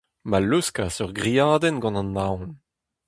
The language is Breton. Ma leuskas ur griadenn gant an aon.